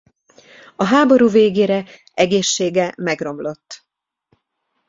A háború végére egészsége megromlott.